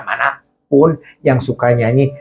manapun yang suka nyanyi